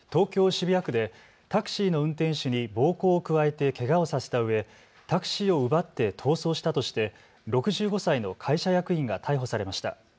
渋谷区でタクシーの運転手に暴行を加えてけがをさせたうえタクシーを奪って逃走したとして６５歳の会社役員が逮捕されました。